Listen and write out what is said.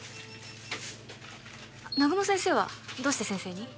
南雲先生はどうして先生に？